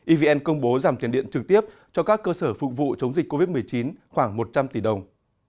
evn công bố giảm tiền điện trực tiếp cho các cơ sở phục vụ chống dịch covid một mươi chín khoảng một trăm linh tỷ đồng